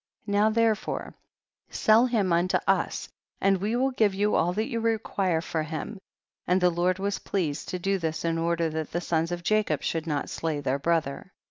Now therefore sell him unto us, and we will give you all that you require for him ; and the Lord was pleased to do this in order that the sons of Ja cob should not slay their brother.